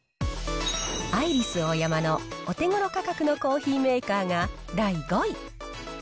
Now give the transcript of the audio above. アイリスオーヤマの、お手ごろ価格のコーヒーメーカーが第５位。